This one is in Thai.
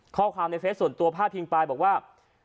ข้อความในเฟสส่วนตัวพาดพิงไปบอกว่า